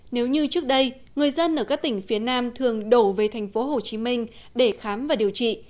nếu như trước đây người dân ở các tỉnh phía nam thường đổ về thành phố hồ chí minh để khám và điều trị